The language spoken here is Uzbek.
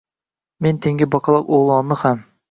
Men tengi baqaloq o’g’lonini ham.